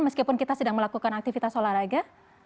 meskipun kita sedang melakukan aktivitas olahraga